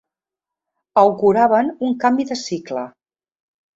Auguraven un canvi de cicle.